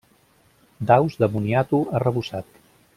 Daus de moniato arrebossat.